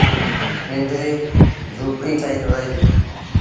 ننڍڙيٚ جھوپڙيٚ ٺهيٚل هوئي ديٚ۔